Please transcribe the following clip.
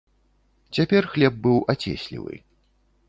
Цяпер хлеб быў ацеслівы.